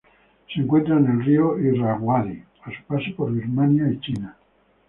Se encuentra en el río Irrawaddy a su paso por Birmania y China.